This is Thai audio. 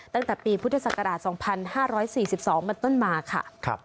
ตั้งแต่ปีพุทธศักราช๒๕๔๒เป็นต้นมาค่ะ